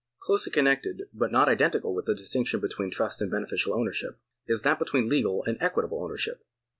Closely connected but not identical with the distinction between trust and beneficial ownership, is that between legal and equitable ownership.